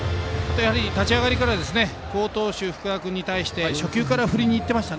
立ち上がりから好投手、福田君に対して初球から振りにいってました。